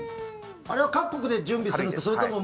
あれは各国で準備するんですか？